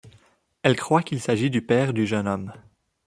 Elle croit qu’il s’agit du père du jeune homme.